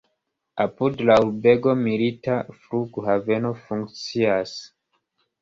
Apud la urbego milita flughaveno funkcias.